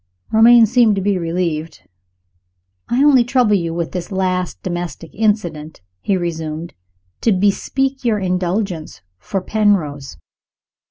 Romayne seemed to be relieved. "I only troubled you with this last domestic incident," he resumed, "to bespeak your indulgence for Penrose.